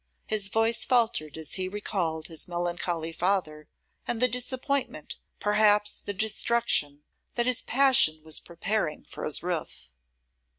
His voice faltered as he recalled his melancholy father; and the disappointment, perhaps the destruction, that his passion was preparing for his roof.